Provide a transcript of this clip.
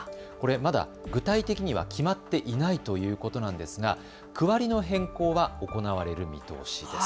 まだ、具体的には決まっていないということなんですが区割りの変更は行われる見通しです。